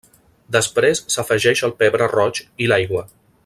Després s'afegeix el pebre roig, i l'aigua.